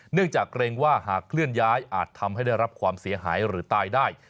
เนื่องจากเกรงว่าหากเคลื่อนย้ายอาจทำให้ได้รับความเสียหายหรือตายได้